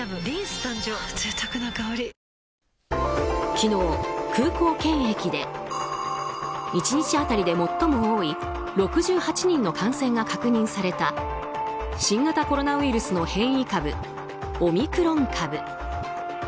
昨日、空港検疫で１日当たりで最も多い６８人の感染が確認された新型コロナウイルスの変異株オミクロン株。